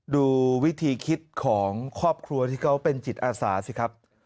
ดูวิธีคิดของครอบครัวที่เขาเป็นจิตอาสาสิครับ